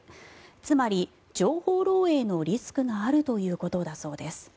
つまり、情報漏えいのリスクがあるということだそうです。